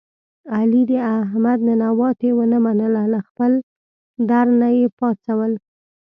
علي د احمد ننواتې و نه منله له خپل در نه یې پا څول.